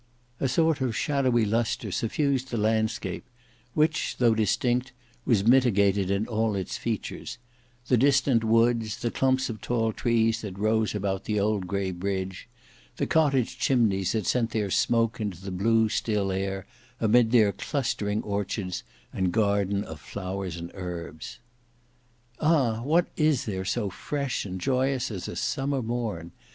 A sort of shadowy lustre suffused the landscape, which, though distinct, was mitigated in all its features—the distant woods, the clumps of tall trees that rose about the old grey bridge, the cottage chimneys that sent their smoke into the blue still air, amid their clustering orchards and garden of flowers and herbs. Ah! what is there so fresh and joyous as a summer morn!